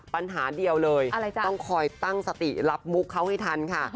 ปัญหาเดียวเลยต้องคอยตั้งสติรับมุกเขาให้ทันค่ะ